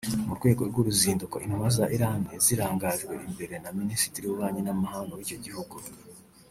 mu rwego rw’uruzinduko intumwa za Iran zirangajwe imbere na Minisitiri w’Ububanyi n’Amahanga w’icyo gihugu